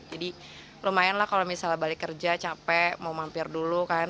jadi lumayan lah kalau misalnya balik kerja capek mau mampir dulu kan